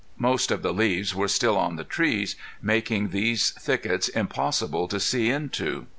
Most of the leaves were still on the trees, making these thickets impossible to see into.